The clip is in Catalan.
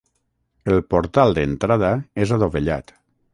El portal d'entrada és adovellat.